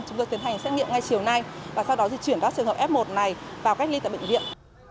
chúng tôi tiến hành xét nghiệm ngay chiều nay và sau đó di chuyển các trường hợp f một này vào cách ly tại bệnh viện